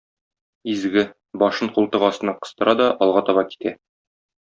Изге, башын култык астына кыстыра да, алга таба китә.